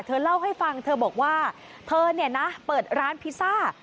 เธอเล่าให้ฟังเธอบอกว่าเธอเนี่ยนะเปิดร้านพิซซ่า